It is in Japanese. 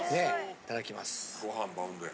いただきます。